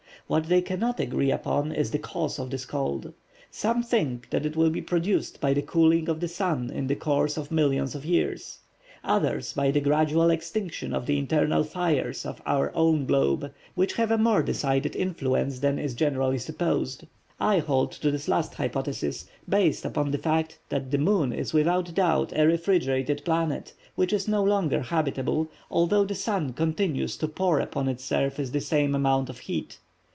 What they cannot agree upon is the cause of this cold. Some think that it will be produced by the cooling of the sun in the course of millions of years; others by the gradual extinction of the internal fires of our own globe, which have a more decided influence than is generally supposed. I hold to this last hypothesis, based upon the fact that the moon is without doubt a refrigerated planet, which is no longer habitable, although the sun continues to pour upon its surface the same amount of heat.